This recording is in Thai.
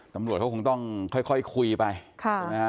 สำรวจเขาคงต้องค่อยคุยไป